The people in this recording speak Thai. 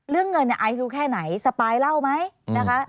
เรื่องเงินเนี่ยไอซ์ดูแค่ไหนสปายเล่าไหมนะคะ